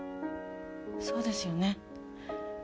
そうですよね。